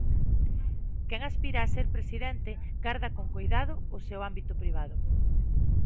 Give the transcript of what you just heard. Quen aspira a ser Presidente garda con coidado o seu ámbito privado.